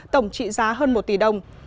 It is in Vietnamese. tổng trị giá hơn một tỷ đồng